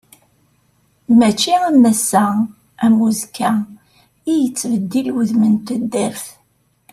Mačči am ass-a am uzekka i yettbeddil wudem n taddart.